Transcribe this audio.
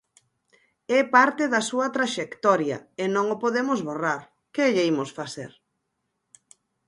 É parte da súa traxectoria, e non o podemos borrar, ¡que lle imos facer!